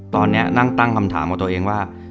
ตอนนี้นั่งตั้งคำถามกับตัวเองว่า